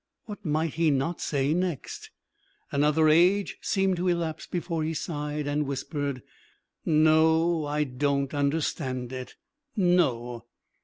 What might he not say next? Another age seemed to elapse before he sighed and whispered: "No. I don't understand it. No!"